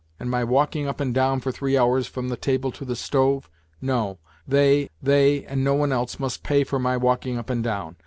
And my walking up and down for three hours from the table to the stove ? No, they, they and no one else must pay for my walking up and down